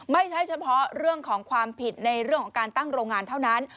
ไม่ใช่เฉพาะเรื่องของความผิดในเรื่องของการตั้งโรงงานเท่านั้น